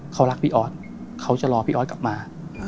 เขารักพี่ออสเขาจะรอพี่ออสกลับมา